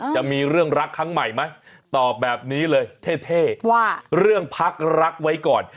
จะมีเรื่องรักครั้งใหม่ไหมตอบแบบนี้เลยเท่ว่าเรื่องพักรักไว้ก่อน